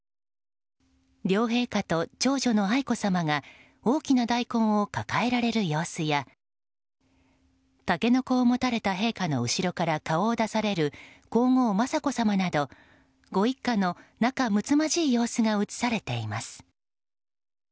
両陛下と長女の愛子さまが大きな大根を抱えられる様子やタケノコを持たれた陛下の後ろから顔を出される皇后・雅子さまなどご一家の仲むつまじい様子が写されています。